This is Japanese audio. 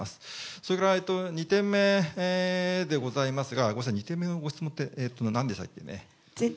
それから２点目でございますが、ごめんなさい、２点目のご質問ってなんでしたっけね。